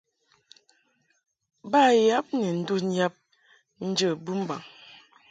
Baba yab ni ndun yab njə bɨmbaŋ.